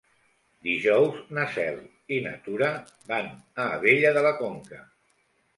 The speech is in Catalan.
Dijous na Cel i na Tura van a Abella de la Conca.